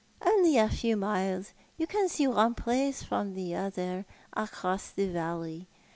" Only a few miles. You can see one place from the other, across the valley.